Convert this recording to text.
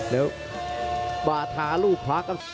เดี๋ยวบาทาลูพากัน